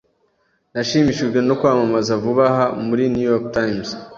Nashimishijwe nokwamamaza vuba aha muri New York Times.